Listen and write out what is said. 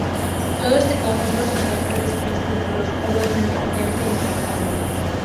Todo este conjunto se encuentra dispuesto entre los polos de un potente electroimán.